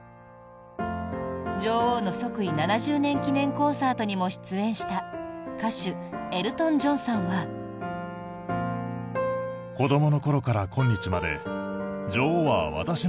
女王の即位７０年記念コンサートにも出演した、歌手エルトン・ジョンさんは。と、コメント。